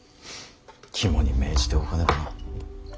肝に銘じておかねばな。